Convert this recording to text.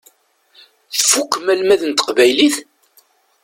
Tfukkem almad n teqbaylit?